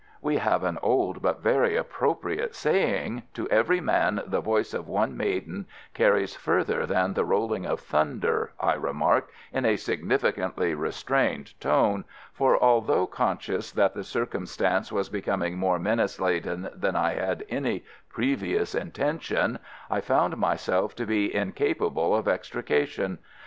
"We have an old but very appropriate saying, 'To every man the voice of one maiden carries further than the rolling of thunder,'" I remarked in a significantly restrained tone; for, although conscious that the circumstance was becoming more menace laden than I had any previous intention, I found myself to be incapable of extrication.